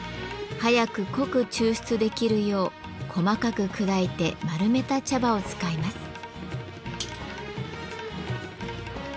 早く濃く抽出できるよう細かく砕いて丸めた茶葉を使います。